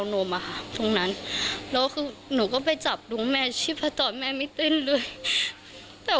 ว่าแม่ของเธอเพราะว่ามีเหล็กแหลมติดตัวมาได้ยังไง